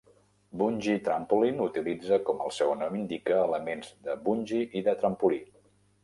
"Bungy Trampoline" utilitza, com el seu nom indica, elements de "bungy" i de trampolí.